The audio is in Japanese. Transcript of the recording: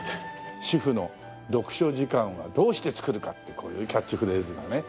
「主婦の読書時間はどうしてつくるか」っていうこういうキャッチフレーズがね。